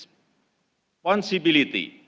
akan sulit bagi kita